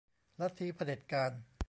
ลัทธิเผด็จการ